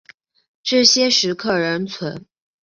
这些石刻仍存。